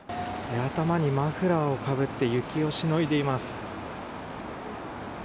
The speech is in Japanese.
頭にマフラーをかぶって雪をしのいでいます。